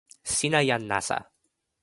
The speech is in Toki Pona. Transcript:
sina jan nasa.